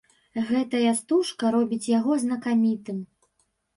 Гэтая стужка робіць яго знакамітым.